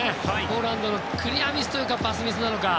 ポーランドのクリアミスかパスミスなのか。